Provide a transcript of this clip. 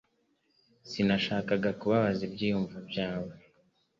Sinashakaga kubabaza ibyiyumvo byawe